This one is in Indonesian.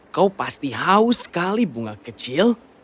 kau pasti haus sekali bunga kecil